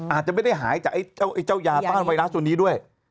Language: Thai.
อาจจะไม่ได้หายจากเจ้ายาต้านไวรัสตัวนี้ด้วย